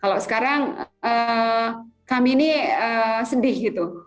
kalau sekarang kami ini sedih gitu